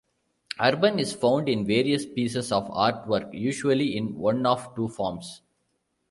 Urban is found in various pieces of artwork usually in one of two forms.